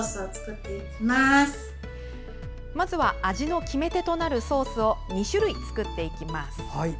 まずは味の決め手となるソースを２種類作っていきます。